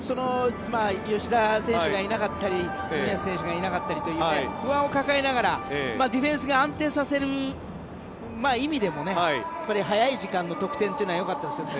吉田選手がいなかったり古橋選手がいなかったりと不安を抱えながらディフェンス安定させる意味でも早い時間の得点は良かったです。